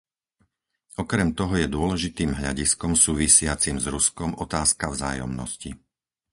Okrem toho je dôležitým hľadiskom súvisiacim s Ruskom otázka vzájomnosti.